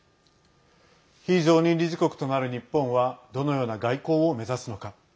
非常任理事国となる日本はどのような外交を目指すのか。